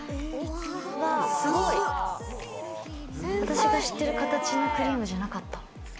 私が知ってる形のクリームじゃなかった。